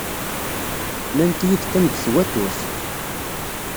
Nnant-iyi-d qqim deg twaturt.